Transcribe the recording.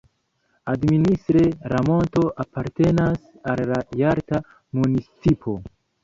Administre la monto apartenas al la Jalta municipo.